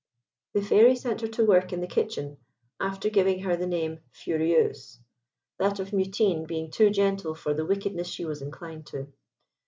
The Fairy sent her to work in the kitchen, after giving her the name of Furieuse, that of Mutine being too gentle for the wickedness she was inclined to.